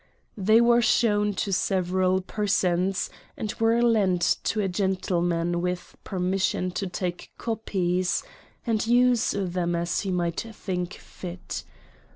They were shown to several persons, and were lent to a gentleman with permission to take copies, and use them as he might think fit.